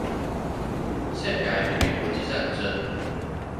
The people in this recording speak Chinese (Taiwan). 憲改避免國際戰爭